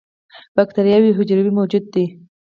بکتریاوې یو حجروي موجودات دي